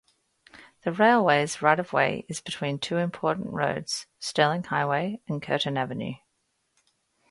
The railway's right-of-way is between two important roads: Stirling Highway and Curtin Avenue.